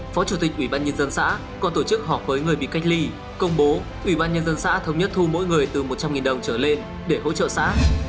phó chủ tịch ủy ban nhân dân xã còn tổ chức họp với người bị cách ly công bố ủy ban nhân dân xã thống nhất thu mỗi người từ một trăm linh đồng trở lên để hỗ trợ xã